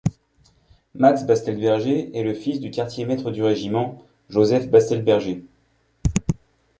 Max Bastelberger est le fils du quartier-maître du régiment Josef Bastelberger.